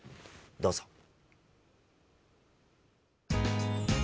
どうぞ。